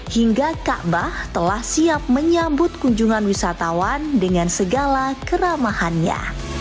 hingga kaabah telah siap menyambut kunjungan wisatawan dengan segala keramahannya